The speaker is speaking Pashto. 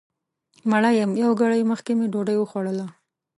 مړه یم یو ګړی مخکې مې ډوډۍ وخوړله